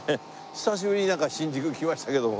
久しぶりに新宿来ましたけども。